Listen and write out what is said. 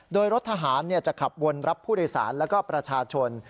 โดยรถทหารจะขับวนรับผู้โดยสารและก็ประชาชน